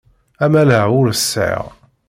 Amaleh ur t-sεiɣ.